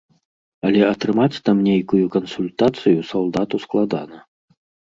Але атрымаць там нейкую кансультацыю салдату складана.